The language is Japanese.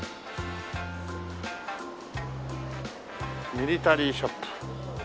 「ミリタリー・ショップ」